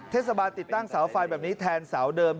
เทศบาลติดตั้งเสาไฟแบบนี้แทนเสาเดิม